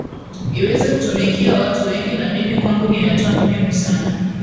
iweze kutumikia watu wengi na mimi kwangu ni hatua muhimu sana